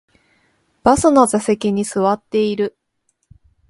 バスの座席に座っている